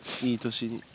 いい年に。